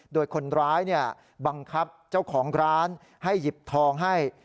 โดยคนร้ายบังคับเจ้าของร้านให้หยิบทองให้